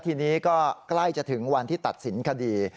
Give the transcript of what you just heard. ทีนี้ก็ใกล้จะถึงวันที่ตัดสินคดี